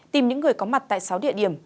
tìm những người có mặt tại sáu địa điểm